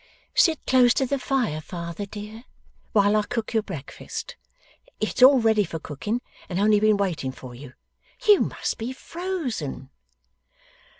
'Sit close to the fire, father, dear, while I cook your breakfast. It's all ready for cooking, and only been waiting for you. You must be frozen.